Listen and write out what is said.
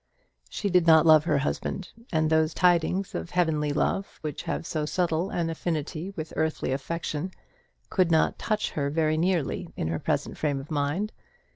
She did not love her husband; and those tidings of heavenly love which have so subtle an affinity with earthly affection could not touch her very nearly in her present frame of mind.